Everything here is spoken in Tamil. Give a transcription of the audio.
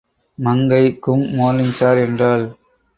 மங்கை கும் மோர்னிங் ஸார் என்றாள்.